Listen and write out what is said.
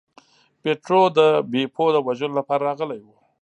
پیټرو د بیپو د وژلو لپاره راغلی و.